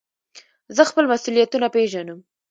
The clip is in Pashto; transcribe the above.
زه خپل مسئولیتونه پېژنم.